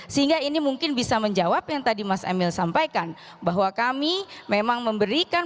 sehingga ini mungkin bisa menjawab yang tadi mas emil sampaikan bahwa kami memang memberikan